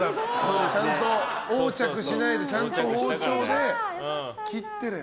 ちゃんと横着しないで包丁で切ってれば。